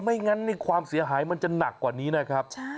ไม่งั้นนี่ความเสียหายมันจะหนักกว่านี้นะครับ